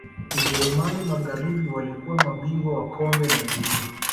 ujerumani magharibi walikuwa mabingwa wa kombe la dunia